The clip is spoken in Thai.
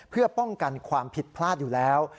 เพื่อป้องกันความผิดพลาดอยู่แล้ว